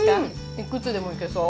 いくつでもいけそう。